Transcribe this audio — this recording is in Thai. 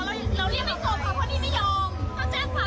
ไม่เคยรู้จักพี่เขาแล้วแล้วคือบอกว่า